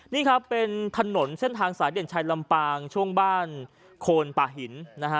นี่ครับเป็นถนนเส้นทางสายเด่นชัยลำปางช่วงบ้านโคนป่าหินนะฮะ